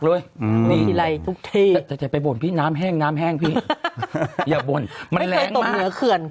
ดีใจเจอแต่ไม่มีพยุค